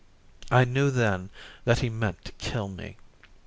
I knew then that he meant to kill me.